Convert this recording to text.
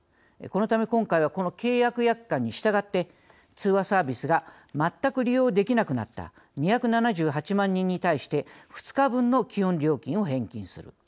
このため、今回はこの契約約款に従って通話サービスが全く利用できなくなった２７８万人に対して２日分の基本料金を返金する。